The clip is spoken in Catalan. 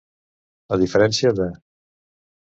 A diferència de.